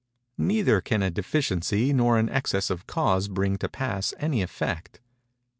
Neither can a deficiency nor an excess of cause bring to pass any effect.